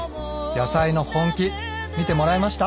野菜の本気見てもらえました？